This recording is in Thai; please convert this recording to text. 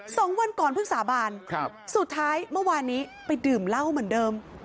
สองวันก่อนเพิ่งสาบานครับสุดท้ายเมื่อวานนี้ไปดื่มเหล้าเหมือนเดิม